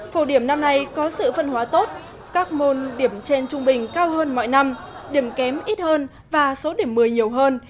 phổ điểm năm nay có sự phân hóa tốt các môn điểm trên trung bình cao hơn mọi năm điểm kém ít hơn và số điểm một mươi nhiều hơn